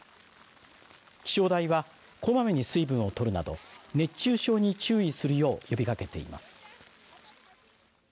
気象台はこまめに水分をとるなど熱中症に注意するよう呼びかけています。